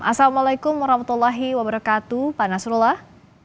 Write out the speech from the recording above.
assalamualaikum warahmatullahi wabarakatuh pak nasrullah